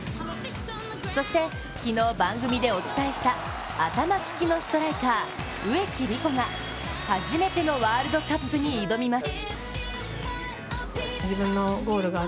そして、昨日番組でお伝えした頭利きのストライカー植木理子が初めてのワールドカップに挑みます。